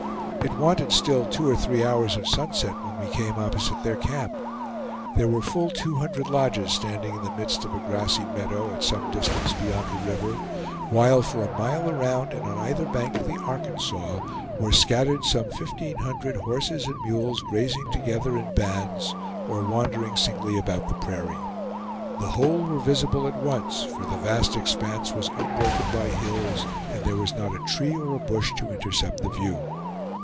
It wanted still two or three hours of sunset when we came opposite their camp. There were full two hundred lodges standing in the midst of a grassy meadow at some distance beyond the river, while for a mile around and on either bank of the Arkansas were scattered some fifteen hundred horses and mules grazing together in bands, or wandering singly about the prairie. The whole were visible at once, for the vast expanse was unbroken by hills, and there was not a tree or a bush to intercept the view.